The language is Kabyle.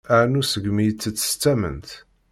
Arnu seg mi itett s tamment.